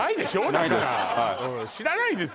だからないです